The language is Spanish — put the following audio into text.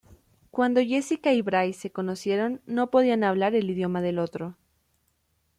Cuando Jessica y Bryce se conocieron no podían hablar el idioma del otro.